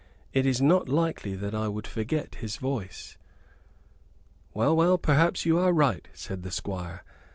It is not likely that I would forget his voice." "Well, well, perhaps you are right," said the Squire.